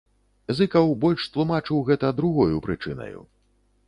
Зыкаў больш тлумачыў гэта другою прычынаю.